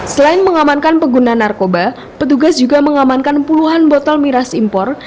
selain mengamankan pengguna narkoba petugas juga mengamankan puluhan botol miras impor